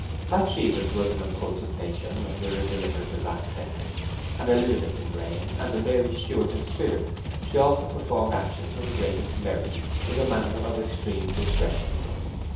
Bathsheba's was an impulsive nature under a deliberative aspect. An Elizabeth in brain and a Mary Stuart in spirit, she often performed actions of the greatest temerity with a manner of extreme discretion.